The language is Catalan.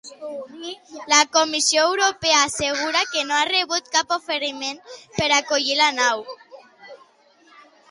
La Comissió Europea assegura que no ha rebut cap oferiment per acollir la nau.